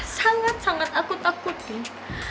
sangat sangat aku takutin